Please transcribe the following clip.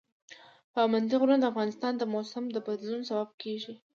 پابندی غرونه د افغانستان د موسم د بدلون سبب کېږي.